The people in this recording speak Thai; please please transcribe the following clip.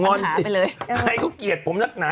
งอนใครก็เกียจผมนักหนา